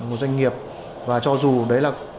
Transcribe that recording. một doanh nghiệp và cho dù đấy là